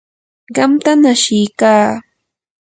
qamtam ashiykaa.